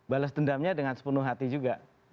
balas dendamnya dengan sepenuh hati juga